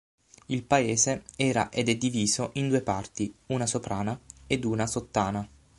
Il paese era ed è diviso in due parti, una Soprana ed una Sottana.